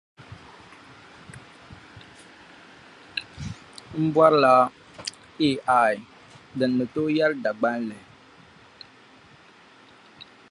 Some sites along Shackleton's rim receive almost constant illumination.